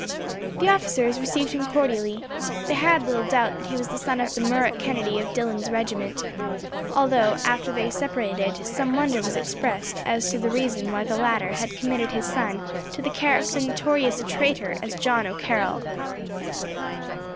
The officers received him cordially. They had little doubt that he was the son of the Murroch Kennedy, of Dillon's regiment, although, after they separated, some wonder was expressed as to the reason why the latter had committed his son to the care of so notorious a traitor as John O'Carroll.